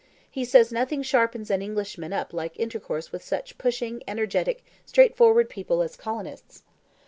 He says nothing sharpens an Englishman up like intercourse with such pushing, energetic, straightforward people as colonists."